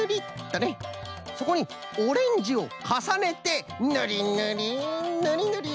そこにオレンジをかさねてぬりぬりぬりぬり。